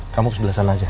kamu ke sebelah sana saja